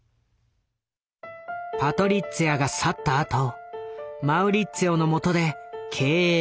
パトリッツィアが去ったあとマウリッツィオのもとで経営が悪化。